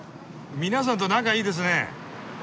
皆さんと仲いいですね。